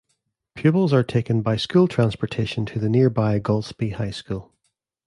Pupils are taken by school transportation to the near by Golspie High School.